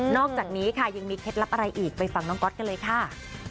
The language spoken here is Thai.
อกจากนี้ค่ะยังมีเคล็ดลับอะไรอีกไปฟังน้องก๊อตกันเลยค่ะ